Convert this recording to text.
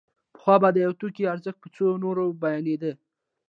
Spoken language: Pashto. پخوا به د یو توکي ارزښت په څو نورو بیانېده